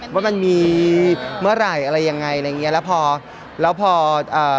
ว่ามันมีเมื่อไหร่อะไรยังไงอะไรอย่างเงี้ยแล้วพอแล้วพอเอ่อ